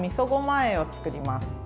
あえを作ります。